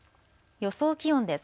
予想気温です。